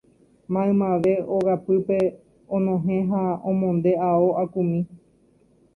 Maymave ogapýpe onohẽ ha omonde ao akumi